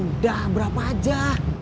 udah berapa aja